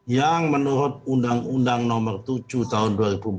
yang menurut undang undang nomor tujuh tahun dua ribu empat belas